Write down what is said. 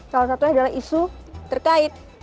salah satunya adalah isu terkait